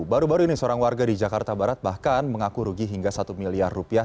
baru baru ini seorang warga di jakarta barat bahkan mengaku rugi hingga satu miliar rupiah